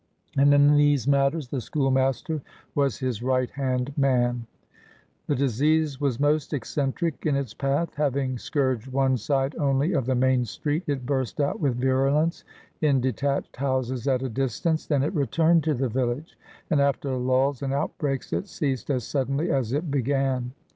And in these matters the schoolmaster was his right hand man. The disease was most eccentric in its path. Having scourged one side only of the main street, it burst out with virulence in detached houses at a distance. Then it returned to the village, and after lulls and outbreaks it ceased as suddenly as it began.